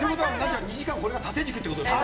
２時間、これが縦軸ということですか。